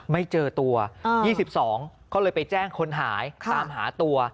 ไม่เจอตัว๒๒ก็เลยไปแจ้งคนหายตามหาตัว